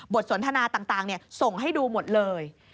สนทนาต่างส่งให้ดูหมดเลย